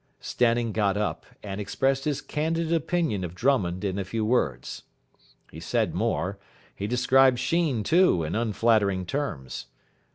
Stanning got up, and expressed his candid opinion of Drummond in a few words. He said more. He described Sheen, too in unflattering terms.